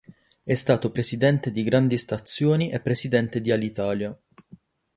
È stato presidente di Grandi Stazioni e presidente di Alitalia.